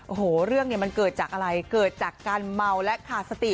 โอ้โหเรื่องเนี่ยมันเกิดจากอะไรเกิดจากการเมาและขาดสติ